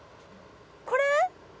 これ？